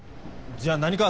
じゃあ何か？